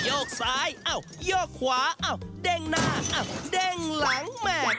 ยกซ้ายยกขวาเน่งหน้าเน่งหลังแหม่แหม่